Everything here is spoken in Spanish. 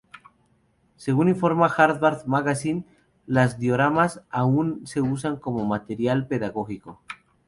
Según informa el "Harvard Magazine", los dioramas aún se usan como material pedagógico.